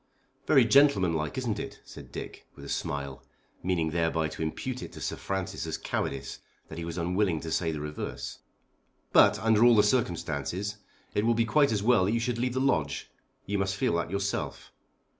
"Very gentlemanlike, isn't it?" said Dick, with a smile, meaning thereby to impute it to Sir Francis as cowardice that he was unwilling to say the reverse. "But, under all the circumstances, it will be quite as well that you should leave the Lodge. You must feel that yourself."